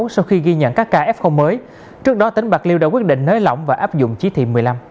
sau khi ghi nhận các kf mới trước đó tỉnh bạc liêu đã quyết định nới lỏng và áp dụng chí thị một mươi năm